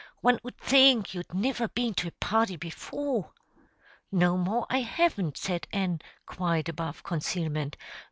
"One 'ud think you'd niver been to a party before." "No more I haven't," said Ann, quite above concealment.